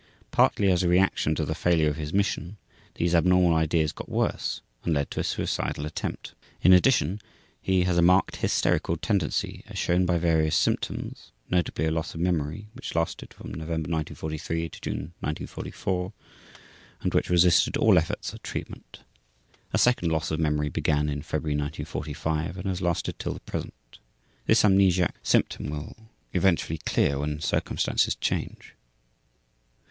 Partly as a reaction to the failure of his mission these abnormal ideas got worse and led to a suicidal attempt. In addition, he has a marked hysterical tendency, as shown by various symptoms, notably a loss of memory which lasted from November 1943 to June 1944, and which resisted all efforts at treatment. A second loss of memory began in February 1945 and has lasted till the present. This amnesic symptom will eventually clear when circumstances change.